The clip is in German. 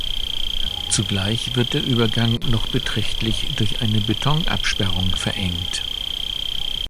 Zugleich wird der Übergang noch beträchtlich durch eine Betonabsperrung verengt.